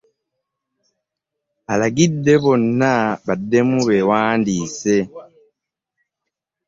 Alagidde bonna baddemu beewandiise.